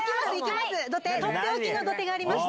とっておきの土手がありまして。